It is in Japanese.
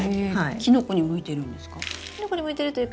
キノコに向いてるんですか？